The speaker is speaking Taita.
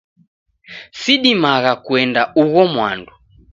Sidimagha kuenda ugho mwandu.